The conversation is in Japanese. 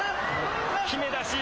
きめ出し。